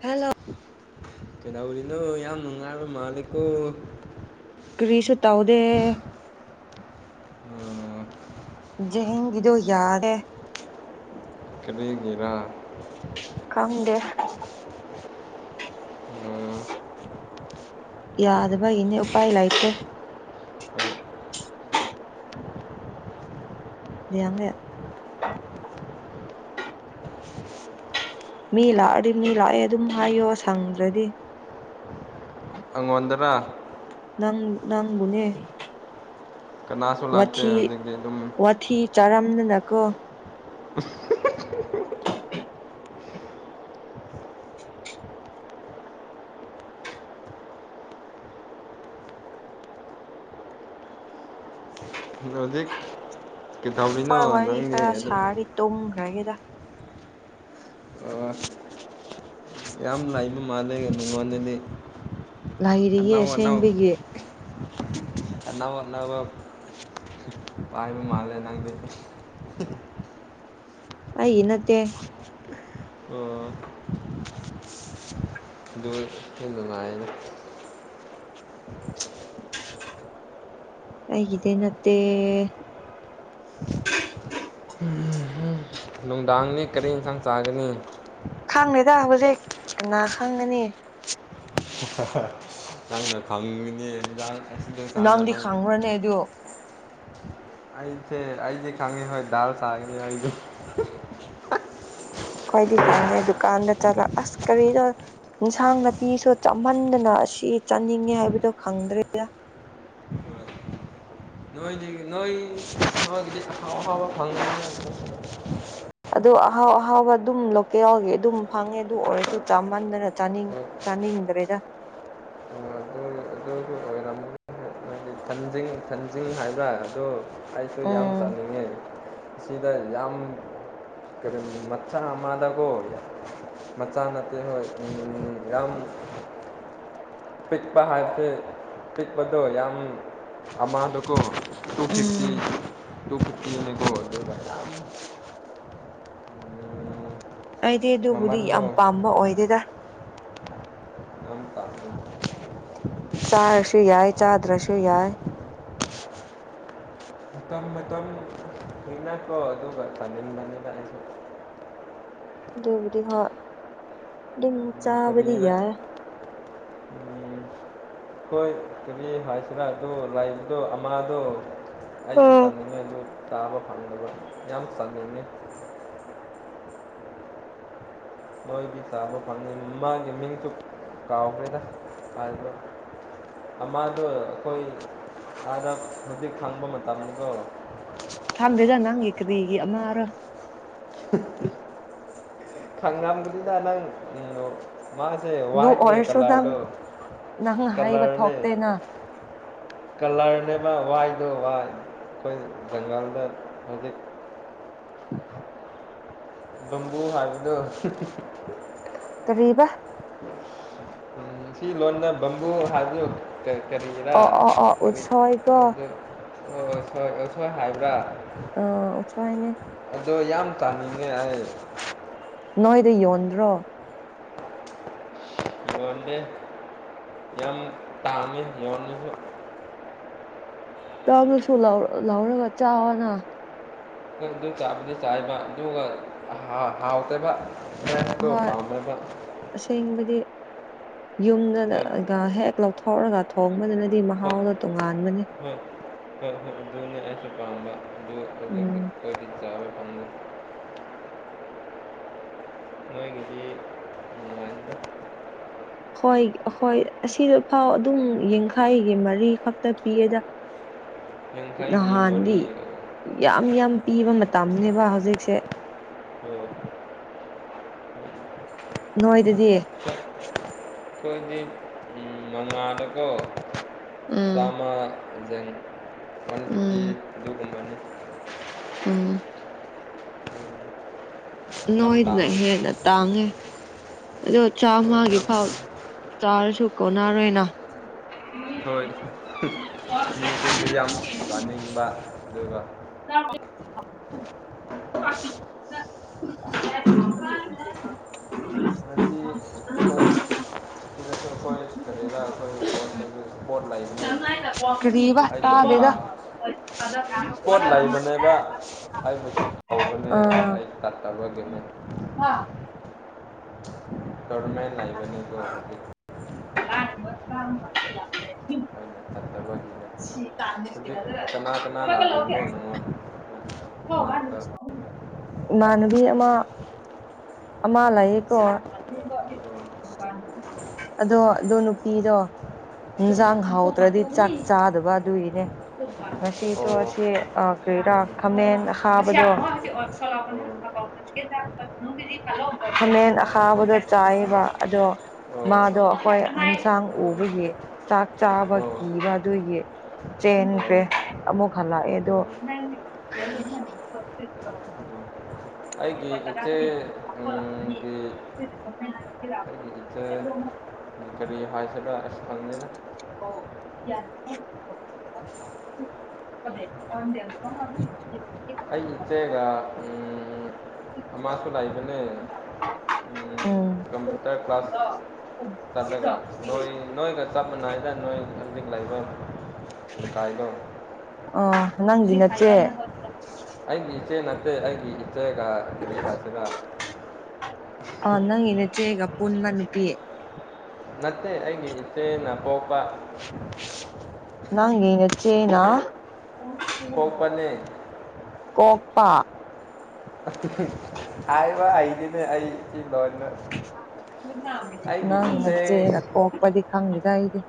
Hello. ꯀꯩꯗꯧꯔꯤꯅꯣ ꯌꯥꯝ ꯅꯨꯡꯉꯥꯏꯕ ꯃꯥꯜꯂꯤꯀꯣ꯫ ꯀ꯭ꯔꯤꯁꯨ ꯇꯧꯗꯦ꯫ [inaudible] ꯖꯦꯡꯒꯤꯗꯣ ꯌꯥꯗꯦ꯫ ꯀꯔꯤꯒꯤꯔ꯫ ꯈꯪꯗꯦ꯫ ꯌꯥꯗꯕꯒꯤꯅꯦ ꯎꯄꯥꯏ ꯂꯩꯇꯦ꯫ ꯂꯩ ꯌꯥꯡꯉꯦ꯫ ꯃꯤ ꯂꯥꯛꯑꯗꯤ ꯃꯤ ꯂꯥꯛꯑꯦ ꯑꯗꯨꯝ ꯍꯥꯏꯌꯣ ꯁꯪꯗ꯭ꯔꯗꯤ꯫ ꯑꯩꯉꯣꯟꯗꯔ꯫ ꯅꯪ ꯅꯪꯕꯨꯅꯦ꯫ ꯀꯅꯥꯁꯨ ꯂꯥꯛꯇꯦ ꯋꯥꯊꯤ ꯍꯧꯖꯤꯛꯇꯤ ꯑꯗꯨꯝ ꯋꯥꯊꯤ ꯆꯥꯔꯝꯗꯅꯀꯣ꯫ [unintelligible] ꯑꯗꯨ ꯍꯧꯖꯤꯛ ꯀꯩꯗꯧꯔꯤꯅꯣ ꯍꯣꯏ ꯋꯥꯔꯤ ꯅꯪꯗꯤ ꯈꯔ ꯑꯗꯨ ꯁꯥꯔꯗꯤ ꯇꯨꯝꯈ꯭ꯔꯒꯦꯗ꯫ ꯌꯥꯝ ꯂꯥꯏꯕ ꯃꯥꯜꯂꯦ ꯑꯗꯨꯉꯜꯂꯗꯤ ꯂꯩꯥꯏꯔꯤꯌꯦ ꯑꯁꯦꯡꯕꯒꯤ ꯑꯦꯅꯥ ꯋꯥꯅ ꯋꯥ ꯄꯥꯏ ꯃꯥꯜ ꯂꯩꯅ ꯑꯏ ꯅꯠꯇꯦ ꯑꯣ ꯍꯤꯟꯗꯨꯥꯏ ꯇꯗ ꯅꯠꯇꯦ ꯅꯨꯡꯗꯥꯡꯗꯤ ꯀꯔꯤ ꯏꯟꯈꯥꯡ ꯆꯥꯒꯅꯤ ꯈꯪꯉꯦꯗ ꯍꯧꯖꯤꯛ ꯀꯅꯥ ꯈꯪꯒꯅꯤ ꯅꯪꯅ ꯐꯪꯅꯤꯗ ꯅꯪꯗꯤ ꯈꯥꯡꯈ꯭ꯔꯅꯦ ꯑꯗꯨꯣ ꯑꯩ ꯏꯦ ꯑꯩꯗꯤꯦ ꯈꯥꯡꯉꯦ ꯍ ꯗꯜ ꯁꯥꯦ ꯀꯣꯏꯗꯤ ꯈꯪꯗꯦ ꯗꯨꯀꯥꯟꯗ ꯆꯂ ꯑꯁ ꯀꯔꯤꯗ ꯏꯟꯁꯥꯡ ꯅꯥꯄꯤꯁꯨ ꯆꯥꯍꯟꯗꯅ ꯑꯁꯤ ꯆꯥꯅꯤꯡꯉꯦ ꯍꯥꯏꯕꯗꯣ ꯈꯪꯗ꯭ꯔꯦꯗ ꯅꯣꯏꯗꯤ ꯅꯣꯏ ꯅꯣꯏꯒꯤꯗꯤ ꯑꯥꯎ ꯑꯐꯥꯎꯕ ꯐꯪꯗꯅꯤ ꯑꯗꯨ ꯑꯍꯥꯎ ꯑꯍꯥꯎꯕ ꯑꯗꯨꯝ ꯂꯣꯀꯦꯜꯒꯤ ꯑꯗꯨꯝ ꯐꯪꯉꯦ ꯑꯗꯨ ꯑꯣꯏꯔꯁꯨ ꯆꯥꯃꯟꯗꯅ ꯆꯥꯅꯤꯡ ꯍꯣꯏ ꯆꯅꯤ ꯍ ꯏꯤꯡꯗ꯭ꯔꯦꯒ [unintelligible] ꯍꯥꯏꯗꯤ ꯊꯟꯖꯤꯡ ꯊꯟꯖꯤꯡ ꯍꯥꯏꯕ꯭ꯔꯥ ꯑꯗꯣ ꯑꯩꯁꯨ ꯌꯥꯝ ꯎꯝ ꯆꯥꯅꯤꯡꯉꯦ ꯁꯤꯗ ꯌꯥꯝ ꯀꯔꯤ ꯃꯆꯥ ꯑꯃꯗꯀꯣ ꯑꯣꯏ ꯌꯥ ꯃꯆꯥ ꯅꯅꯥꯠꯇꯦ ꯍꯣꯏ ꯌꯥꯝ ꯄꯤꯛꯄ ꯍꯥꯏꯕꯁꯦ ꯄꯤꯛꯄꯗꯣ ꯌꯥꯝ ꯑꯃꯗꯨꯀ ꯇꯨꯤꯠꯇ ꯎꯝ ꯇꯨꯤꯠꯇ ꯏꯅꯤꯗ ꯑꯩꯗꯤ ꯑꯗꯨꯕꯨꯗꯤ ꯃꯃꯟꯗꯣ ꯌꯥꯝ ꯄꯥꯝꯕ ꯑꯣꯏꯗꯦꯗ ꯑꯗꯨꯝ ꯇꯥꯀꯤ ꯆꯥꯔꯁꯨ ꯌꯥꯏ ꯆꯥꯗ꯭ꯔꯁꯨ ꯌꯥꯏ ꯇꯝ ꯇꯝ ꯍꯛꯅꯥꯀꯣ ꯑꯗꯨ ꯐꯅ ꯃꯥꯅꯤ ꯂꯦ ꯗꯕꯗꯤ ꯍ ꯀꯔꯤꯔ ꯆꯥꯕꯙꯌꯥ ꯍꯣꯏ ꯀꯦꯕꯤ ꯍꯥꯏꯁꯤꯔꯥ ꯑꯗꯨ ꯂꯩꯕꯗꯣ ꯑꯃꯗꯣ ꯑꯩꯁꯨ ꯑꯣ ꯆꯥꯟꯅꯉꯣꯏ ꯑꯗꯨ ꯇꯥꯕ ꯐꯪꯗꯕ ꯌꯥꯝ ꯇꯉꯅꯤ ꯃꯣꯏꯒꯤ ꯇꯥꯕ ꯄꯥꯝꯅꯩ ꯃꯥꯒꯤ ꯃꯤꯡꯁꯨ ꯀꯥꯎꯈ꯭ꯔꯦꯗ ꯍꯥꯏꯕ ꯑꯃꯗꯣ ꯑꯩꯈꯣꯏ ꯑꯥꯗ ꯍꯧꯖꯤꯛ ꯈꯪꯕ ꯃꯇꯝ ꯑꯗꯣ ꯊꯥꯝꯗꯦꯗ ꯅꯪꯒꯤ ꯀꯔꯤꯒꯤ ꯑꯃ ꯑꯔ [unintelligible] ꯊꯪꯅꯕꯒꯗꯤꯗ ꯅꯪ ꯃꯥꯁꯦ ꯑꯗꯨ ꯋꯥꯏꯠꯅꯦ ꯑꯣꯏꯔꯁꯨ ꯅꯪ ꯀꯂꯔꯗꯣ ꯅꯪ ꯍꯥꯏꯕ ꯀꯂꯔꯅꯦ ꯊꯣꯛꯇꯦꯅ ꯀꯂꯔꯅꯦꯕ ꯋꯥꯏꯗꯣ ꯋꯥꯏ ꯑꯩꯈꯣꯏ ꯖꯪꯒꯜꯗ ꯍꯧꯖꯤꯛ ꯎ ꯑꯗꯨꯣꯝꯕꯨ ꯍꯥꯏꯕꯗꯣ ꯇꯔꯤꯕ ꯎꯝ ꯁꯤ ꯂꯣꯟꯗ ꯕꯝꯕꯨ ꯍꯥꯏꯕ ꯀꯔꯤꯔꯥ ꯑꯣ ꯑꯣ ꯑꯣ ꯎꯠꯁꯣꯏꯀꯣ ꯑꯗꯨ ꯍꯣꯏ ꯑꯁꯣꯏ ꯑꯁꯣꯏ ꯍꯥꯏꯕ꯭ꯔꯥ ꯑ ꯑꯣꯊ ꯍꯥꯏꯥꯏꯅꯦꯦ ꯑꯗꯣ ꯌꯥꯝ ꯇꯥꯅꯤꯡꯉꯦ ꯑꯩ ꯅꯣꯏꯗ ꯌꯣꯟꯗ꯭ꯔꯣ ꯌꯣꯦ ꯌꯥꯝ ꯇꯥꯃꯤ ꯌꯣꯁꯨ ꯄꯅꯁꯨ ꯂꯧꯔꯒ ꯆꯥꯅ ꯑꯗꯨ ꯆꯥꯕꯗꯤ ꯆꯥꯏꯕ ꯑꯗꯨꯒ ꯍꯥꯎꯇ꯭ꯔꯦꯕ ꯃ ꯇꯣ ꯍꯣꯏ ꯄꯥꯝꯃꯦꯗ ꯑꯁꯦꯡꯕꯗꯤ ꯍꯣꯏ ꯌꯨꯝꯗꯒ ꯍꯦꯛ ꯂꯧꯊꯣꯛꯔꯒ ꯊꯣꯡꯕꯗꯨꯅꯗꯤ ꯍꯣꯏ ꯃꯍꯥꯎꯗꯣ ꯇꯣꯉꯥꯟꯕꯅꯦ ꯍꯣꯏ ꯎꯝ [unintelligible] ꯅꯣꯏꯒꯤꯗꯤ [unintelligible] ꯍꯣꯏ ꯍꯣꯏ ꯑꯁꯤꯗ ꯐꯥꯎ ꯑꯗꯨꯝ ꯌꯥꯡꯈꯩꯒꯤ ꯃꯔꯤ ꯈꯛꯇ ꯄꯤꯌꯦꯗ ꯌꯥꯡꯈꯩꯒꯤ ꯅꯍꯥꯟꯗꯤ ꯃꯔꯤ ꯌꯥꯝ ꯌꯥꯝ ꯄꯤꯕ ꯃꯇꯝꯅꯦꯕ ꯍꯧꯖꯤꯛꯁꯦ ꯑꯣ ꯍꯣꯏ ꯅꯣꯏꯗꯗꯤ ꯑꯩꯈꯣꯏꯗꯤ [unintelligible] ꯎꯝ ꯆꯥꯝꯃ [unintelligible] ꯑꯥꯟ ꯐꯤꯐꯇꯤ ꯎꯝ ꯑꯗꯨꯒꯨꯝꯕꯅꯤ ꯎꯝ ꯎꯝ, ꯌꯥꯝ ꯅꯣꯏꯗꯅ ꯇꯥꯡꯉꯤ ꯍꯦꯟꯅ ꯇꯥꯡꯉꯦ ꯑꯗꯣ ꯆꯥꯝꯃꯒꯤꯐꯥꯎ ꯆꯥꯔꯁꯨ ꯀꯣꯟꯅꯔꯣꯏꯅ ꯍꯣꯏ ꯃꯤ [unintelligible] ꯌꯥꯝ ꯆꯥꯅꯤꯡꯕ ꯑꯗꯨꯒ [unintelligible] [unintelligible] ꯍꯥꯏꯕꯗꯤ ꯑꯩꯈꯣꯏ ꯑꯩꯈꯣꯏ ꯀꯔꯤꯔꯥ ꯑꯩꯈꯣꯏ [unintelligible] ꯂꯩꯕꯅꯦ ꯀꯔꯤꯕ ꯑꯩꯗꯤ ꯁꯨꯝ ꯇꯥꯗꯦꯗ ꯂꯥꯛ ꯅꯦꯕ ꯑꯩꯕꯨꯁꯨ ꯐꯥꯎꯕꯅꯦ ꯑꯥ ꯑꯩ [unintelligible] ꯒꯕꯔꯃꯦꯟ ꯂꯩꯕꯅꯤꯀꯣ ꯍꯧꯖꯤꯛ [unintelligible] ꯐꯠꯇꯕꯅꯤ ꯁꯤ ꯀꯥꯥꯟꯅꯤ ꯂꯥꯛꯂꯤꯕ꯭ꯔꯣ [unintelligible] ꯅꯪꯉꯣꯟ ꯅꯅꯥꯛꯇ ꯏꯃꯥꯟꯅꯕꯤ ꯑꯃ ꯑꯃꯥ ꯂꯩꯌꯦꯀꯣ ꯑꯗꯣ ꯑꯗꯣ ꯅꯨꯄꯤꯗꯣ ꯏꯟꯖꯥꯡ ꯍꯥꯎꯇ꯭ꯔꯗꯤ ꯆꯥꯛ ꯆꯥꯗꯕ ꯑꯗꯨꯏꯅꯦ ꯑꯣ ꯉꯁꯤꯁꯨ ꯑꯣ ꯑꯣ ꯑꯣ ꯑꯣ ꯑꯁꯤ ꯑ ꯀꯔꯤꯔꯥ ꯈꯥꯃꯦꯟ ꯑꯈꯥꯕꯗꯣ ꯈꯥꯃꯦꯟ ꯑꯈꯥꯕꯗꯣ ꯆꯥꯏꯌꯦꯕ ꯑꯗꯣ ꯃꯥꯗꯣ ꯑꯩꯈꯣꯏ ꯍꯦꯟꯁꯥꯡ ꯎꯕꯒꯤ ꯆꯥꯛ ꯆꯥꯕ ꯑꯣ ꯑꯣ ꯀꯤꯕ ꯑꯗꯨꯒꯤ ꯑꯣ ꯆꯦꯟꯁꯦ ꯑꯃꯨꯛ ꯍꯜꯂꯛꯑꯦꯗꯣ ꯑꯣ ꯑꯣ ꯑꯩꯒꯤ ꯏꯊꯦ ꯎꯝ ꯒꯤ ꯑꯩꯒꯤ ꯏꯆꯦ ꯀꯔꯤ ꯍꯥꯏꯁꯤꯔꯥ ꯑꯁ [unintelligible] [unintelligible] [unintelligible] ꯑꯩꯒꯤ ꯏꯆꯦꯒ ꯎꯝ ꯑꯃꯥꯁꯨ ꯂꯩꯏꯕꯅꯦ ꯎꯝ ꯀꯝꯄ꯭ꯌꯨꯇꯔ ꯀ꯭ꯂꯥꯁ ꯆꯠꯂꯒ ꯅꯣꯏ ꯅꯣꯏꯒ ꯆꯞ ꯃꯥꯟꯅꯩꯗ ꯅꯣꯏ ꯍꯧꯖꯤꯛ ꯂꯩꯕ [unintelligible] ꯑꯣ ꯅꯪꯒꯤ ꯅꯆꯦ ꯑꯩꯒꯤ ꯏꯆꯦ ꯅꯠꯇꯦ ꯑꯩꯒꯤ ꯏꯆꯦꯒ ꯀꯔꯤ ꯍꯥꯏꯁꯤꯔꯥ ꯑ ꯅꯪꯒꯤ ꯅꯆꯦꯒꯥ ꯄꯨꯟꯕ ꯅꯨꯄꯤ ꯅꯠꯇꯦ ꯑꯩꯒꯤ ꯏꯆꯦꯅ ꯄꯣꯛꯄ ꯅꯪꯒꯤ ꯅꯆꯦꯅ ꯄꯣꯛꯄꯅꯦ ꯀꯣꯛꯄ ꯍꯥꯏꯕ ꯍꯩꯇꯦꯅꯦ ꯑꯩ [unintelligible] ꯑꯩꯒꯤ ꯅꯪ ꯏꯆꯦ ꯅꯆꯦꯅ ꯀꯣꯛꯄꯗꯤ ꯈꯪꯗꯦꯗ ꯑꯩꯗꯤ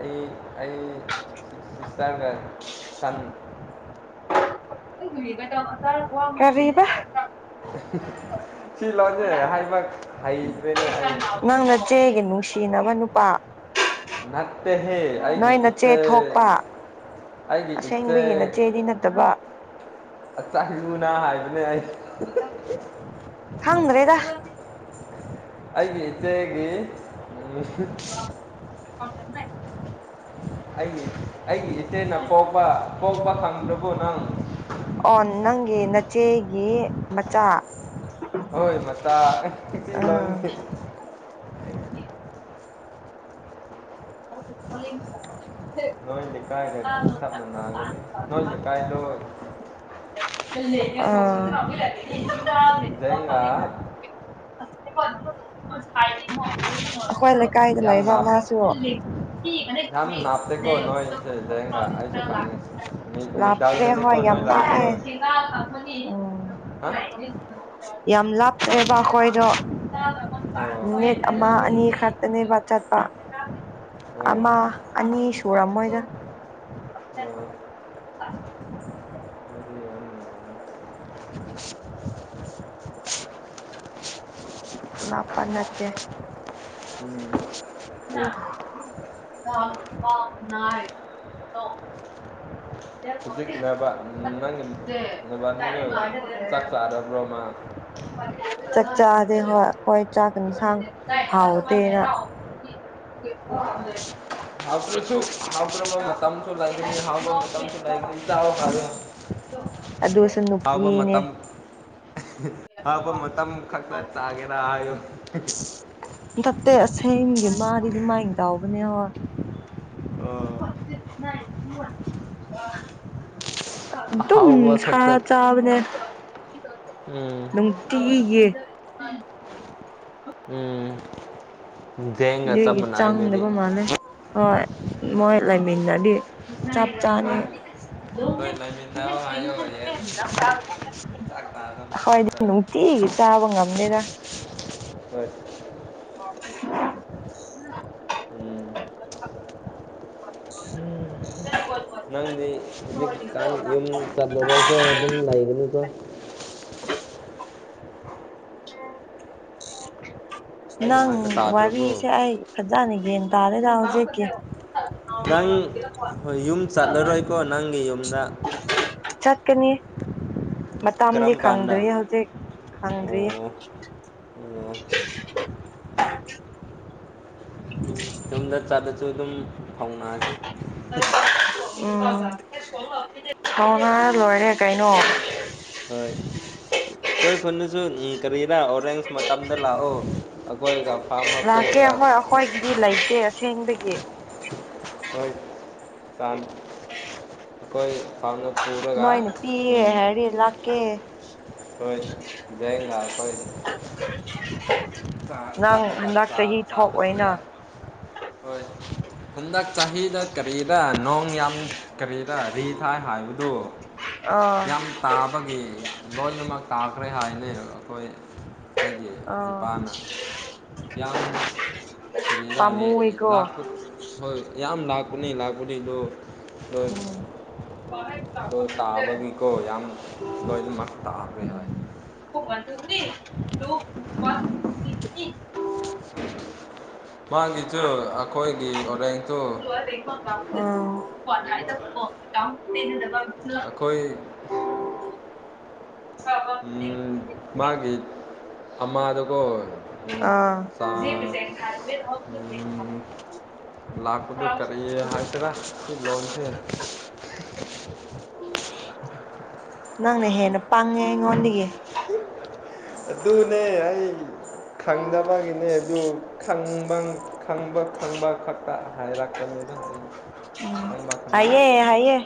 ꯑꯩ ꯑꯩ [unintelligible] ꯊꯟ [unintelligible] ꯀꯔꯤꯕ ꯁꯤ ꯂꯣꯟꯖꯦ ꯍꯥꯏꯕ ꯍꯩꯇ꯭ꯔꯦꯅꯦ ꯑꯩ ꯅꯪꯅ ꯆꯦꯒꯤ ꯅꯨꯡꯁꯤꯅꯕ ꯅꯨꯄꯥ ꯅꯠꯇꯦꯍꯦ ꯑꯩꯒꯤ ꯅꯣꯏ ꯅꯆꯦ ꯏꯆꯦ ꯊꯣꯛꯄ ꯑꯩꯒꯤ ꯏꯆꯦ ꯑꯁꯦꯡꯕꯒꯤ ꯅꯆꯦꯗꯤ ꯅꯠꯇꯕ ꯑꯆꯥꯥꯏꯌꯨꯅꯥ ꯍꯥꯏꯗꯨꯅꯦ ꯑꯩ ꯈꯪꯗ꯭ꯔꯦꯗ ꯑꯩꯒꯤ ꯏꯆꯦꯒꯤ ꯅꯨꯡꯁꯤꯠ [inaudible] ꯑꯩꯒꯤ ꯑꯩꯒꯤ ꯏꯆꯦꯅ ꯄꯣꯛꯄ ꯄꯣꯛꯄ ꯈꯪꯗ꯭ꯔꯕꯨ ꯅꯪ ꯑꯣ ꯅꯪꯒꯤ ꯅꯆꯦꯒꯤ ꯃꯆꯥ ꯍꯣꯏ ꯃꯆꯥ ꯍꯦꯟꯗꯤ ꯑ ꯂꯣꯟꯁꯦ꯫ [unintelligible] ꯅꯣꯏ ꯂꯩꯀꯥꯏꯗ ꯇꯞꯅꯥ ꯉꯪꯒꯅꯤ ꯅꯣꯏ ꯂꯩꯀꯥꯏ ꯗꯣ ꯖꯦꯡꯒ [unintelligible] ꯑꯩꯈꯣꯏ ꯂꯩꯀꯥꯏꯗ ꯌꯥꯝ ꯂꯩꯕ ꯅꯥꯞ ꯑꯃꯁꯨ ꯌꯥꯝ ꯅꯥꯞꯇꯦꯀꯣ ꯅꯣꯏ ꯁꯦ ꯂꯦꯡꯒ ꯑꯩꯁꯨ ꯈꯪꯉꯦ ꯃꯤ [unintelligible] ꯑꯦ ꯃꯤꯗꯜꯗꯅꯦꯀꯣ ꯍꯣꯏ ꯌꯥꯝ ꯅꯣꯏ ꯂꯩꯕꯗꯣ ꯂꯞꯑꯥ ꯎꯝ ꯍꯥ ꯌꯥꯝ ꯂꯥꯞꯈ꯭ꯔꯦꯕ ꯑꯩꯈꯣꯏꯗꯣ ꯑꯣ ꯃꯤꯅꯤꯠ ꯑꯣ ꯑꯃꯥ ꯑꯅꯤ ꯈꯥꯔ ꯇꯅꯤꯕ ꯆꯠ ꯄ ꯑꯣ ꯑꯃ ꯑꯅꯤ ꯁꯨꯔꯝꯃꯣꯏꯗ [inaudible] [inaudible] ꯂꯞꯄ ꯅꯠꯇꯦ꯫ ꯎꯝ [unintelligible] [unintelligible] ꯅꯕꯥꯅꯤꯗꯣ [inaudible] ꯆꯥꯛ ꯆꯥꯗꯕꯔꯣꯃꯥ ꯆꯥꯛ ꯆꯥꯗꯤ ꯍ ꯍꯣꯏ ꯆꯥꯛ ꯏꯟꯁꯥꯡ ꯍꯥꯎꯗꯦꯅ [unintelligible] ꯍꯥꯥꯎꯇꯔ꯭ꯁꯨ ꯁ ꯍꯥꯥꯎ꯭ꯔꯣ ꯃ ꯃꯇꯝꯥꯡꯁꯨ ꯂꯥꯏꯅꯤ ꯍꯥꯎ ꯃ ꯃꯇꯝꯝꯁꯨ ꯂꯥꯏꯅꯤ ꯏ ꯆꯥꯎ ꯐꯔ ꯑꯗꯨꯁꯨ ꯅꯨꯄꯤꯅꯦ꯫ ꯍꯥꯄ ꯃꯇꯝ ꯈꯛꯇ ꯆꯥꯒꯦꯔ ꯍꯥꯏꯌꯨ꯫ ꯍꯟꯊꯛꯇꯦ ꯑꯁꯦꯡꯒꯤ ꯃꯥꯗꯤꯗꯤ ꯃꯥꯏꯅ ꯇꯥꯎꯕꯅꯦ ꯍꯣꯏ꯫ ꯑꯣ [unintelligible] ꯑ ꯑꯗꯨꯝ ꯑꯍꯥꯎꯕ ꯁꯥ ꯈꯛꯇ ꯆꯥꯕꯅꯦ꯫ ꯎꯝ ꯅꯨꯡꯇꯤ ꯒꯤ ꯌꯦꯟ ꯫ ꯎꯝ ꯖꯦꯡꯒ ꯆꯞ ꯑꯗꯨꯏꯒꯤ ꯃꯥꯟꯅꯩ ꯑꯗꯨꯗꯤ ꯆꯥꯡꯗꯕ ꯃꯥꯜꯂꯦ ꯍꯣꯏ ꯃꯣꯏ ꯂꯩꯃꯤꯟꯗꯤ ꯆꯥꯞ ꯆꯥꯅꯤ꯫ ꯍꯣꯏ ꯍꯣꯏ ꯂꯩꯃꯤꯟꯅꯧ ꯍꯥꯏꯌꯣ ꯌꯦꯟ ꯆꯥꯛ ꯆꯥꯕ ꯍꯣꯏ ꯃꯇꯝꯗ ꯅꯨꯡꯇꯤꯒꯤ ꯆꯥꯕ ꯉꯝꯗꯦꯗ ꯍꯣꯏ [inaudible] ꯎꯝ ꯅꯪꯗꯤ ꯍꯧꯖꯤꯛꯀꯥꯟ ꯌꯨꯝ ꯆꯠꯂꯔꯣꯏꯀꯣ ꯑꯗꯨꯝ ꯂꯩꯒꯅꯤꯀꯣ ꯑꯩꯅ ꯅꯪ ꯍꯥꯏꯕ ꯇꯥꯗ꯭ꯔꯕꯣ ꯋꯥꯔꯤꯁꯦ ꯑꯩꯥꯏ꯫ ꯐꯖꯅ ꯌꯦꯟ ꯇꯥꯔꯦꯗ ꯍꯧꯖꯤꯛꯀꯤ ꯅꯪ ꯍꯣꯏ ꯌꯨꯝ ꯆꯠꯂꯔꯣꯏꯀꯣ ꯅꯪꯒꯤ ꯌꯨꯝꯗ ꯆꯠꯀꯅꯤ ꯃꯇꯝꯗꯤ ꯀꯔꯝ ꯀꯥꯟꯗ ꯈꯪꯗ꯭ꯔꯤꯌꯦ ꯍꯧꯖꯤꯛ ꯈꯪꯗ꯭ꯔꯤ꯫ ꯑꯣ ꯑꯣ [inaudible] ꯌꯨꯝꯗ ꯆꯥꯗꯁꯨ ꯑꯗꯨꯝ ꯍꯧꯥꯎꯅꯑꯁꯦ꯫ ꯎꯝ ꯀꯥꯎꯅꯥ ꯂꯣꯏꯔꯦ ꯀꯩꯅꯣ ꯍꯣꯏ ꯑꯩꯈꯣꯏ ꯈꯨꯅꯁꯨ ꯀꯔꯤꯅ ꯑꯣꯔꯦꯟꯖ ꯃꯇꯝꯗ ꯂꯥꯛꯑꯣ ꯑꯩꯈꯣꯏꯒ ꯐꯥꯝꯃ ꯄꯨꯔꯒ ꯗꯤ ꯂꯩꯇꯦ ꯑꯁꯦꯡꯕꯒꯤ [unintelligible] ꯑꯩꯈꯣꯏ ꯐꯥꯎꯅꯕ ꯅꯣꯏꯅ ꯄꯤꯌꯦ ꯍꯥꯏꯔꯦ ꯂꯥꯛꯀꯦ [unintelligible] ꯆꯠꯀ ꯅꯪ ꯍꯟꯗꯛ ꯆꯥ ꯆꯍꯤ ꯆꯥ ꯄꯨ ꯊꯣꯛꯑꯣꯏꯅ ꯌꯥ ꯍꯣꯏ ꯍꯟꯗꯛ ꯆꯍꯤꯗ ꯀꯔꯤꯗ ꯅꯣꯡ ꯌꯥꯝ ꯀꯔꯤꯗ ꯔꯤ ꯊꯥꯏ ꯍꯥꯏꯕꯗꯨ ꯑꯥ ꯌꯥꯝ ꯇꯥꯕꯒꯤ ꯂꯣꯏꯅꯃꯛ ꯇꯥꯈ꯭ꯔꯦ ꯍꯥꯏꯅꯤ ꯑꯩꯈꯣꯏ ꯑꯩꯒꯤ ꯑꯥ ꯏꯄꯥꯅ ꯌꯥꯝꯅ ꯗ ꯄꯥꯝꯃꯨꯏꯀꯣ ꯂꯥꯛꯄꯠ ꯍꯣꯏ ꯌꯥꯝ ꯂꯥꯛꯄꯅꯤ ꯂꯥꯛꯄꯅꯤ ꯑꯗꯨ ꯍꯣꯏ ꯎꯝ ꯇꯣ ꯇꯥꯕꯒꯤꯀꯣ ꯌꯥꯝ ꯂꯣꯏꯃꯛꯁ ꯇꯥꯕꯅꯦ ꯍꯣꯏ ꯈꯣꯃꯥꯟ ꯊꯅꯤ [unintelligible] ꯃꯥꯒꯤꯁꯨ ꯑꯩꯈꯣꯏꯒꯤ ꯑꯣꯔꯦꯡꯇꯨ [unintelligible] ꯑꯩꯈꯣꯏ [unintelligible] ꯃꯥꯒꯤ ꯊꯃꯥꯗꯨꯀꯣ [unintelligible] ꯂꯥꯛꯄꯗ ꯀꯔꯤ ꯍꯥꯏꯇꯦꯔ ꯂꯣꯟꯁ [unintelligible] ꯅꯪꯅ ꯍꯦꯟꯅ ꯄꯪꯉꯦ ꯑꯩꯉꯣꯟꯗꯒꯤ ꯑꯗꯨꯅꯦ ꯑꯩ ꯈꯪꯗꯕꯒꯤꯅꯦ ꯑꯗꯨ ꯈꯪꯕ ꯈꯪꯕ ꯈꯪꯕ ꯈꯛꯇ ꯍꯥꯏꯔꯛꯄꯅꯤꯗ ꯎꯝ ꯈꯪꯕ ꯈꯪꯕ ꯍꯥꯏꯌꯦ ꯍꯥꯏꯑꯦ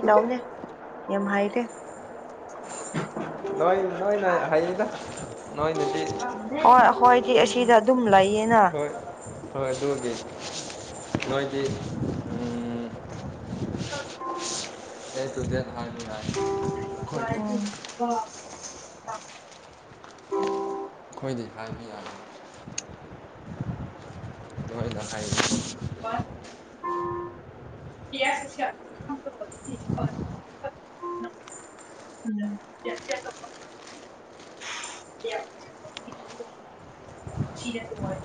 ꯏ ꯇꯧꯅꯦ ꯌꯥꯝ ꯍꯥꯏꯒꯦ ꯅꯣꯏ ꯅꯣꯏ ꯅ ꯍꯌꯦꯗ ꯅꯣꯏꯅꯦ ꯍ ꯍꯣꯏꯗꯤ ꯑꯁꯤꯗ ꯑꯗꯨꯝ ꯂꯩꯌꯦꯅ ꯍꯣꯏ ꯍꯣꯏ ꯑꯗꯨꯗꯤ ꯅꯣꯏꯒꯤ [unintelligible] ꯎꯝ ꯑꯩꯈꯣꯏꯗꯤ ꯍꯥꯏꯕ ꯌꯥ ꯑꯩꯈꯣꯏꯗ ꯍꯥꯏ